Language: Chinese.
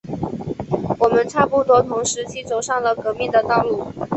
我们差不多同时期走上了革命的道路。